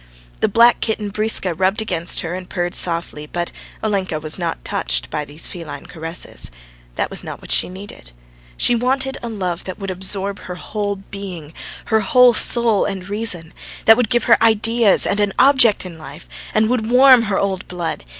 The black kitten, Briska, rubbed against her and purred softly, but Olenka was not touched by these feline caresses. That was not what she needed. She wanted a love that would absorb her whole being, her whole soul and reason that would give her ideas and an object in life, and would warm her old blood.